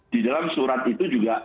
di dalam surat itu juga